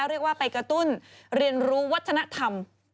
เรียกว่าไปกระตุ้นเรียนรู้วัฒนธรรม